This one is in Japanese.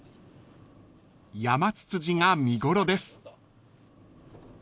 ［ヤマツツジが見頃です］